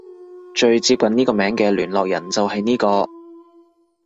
最接近呢個名嘅聯絡人就係呢個